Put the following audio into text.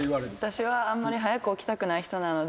私はあんまり早く起きたくない人なので。